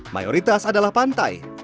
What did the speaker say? mayoritas adalah pantai